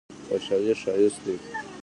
خوشحالي ښایسته دی.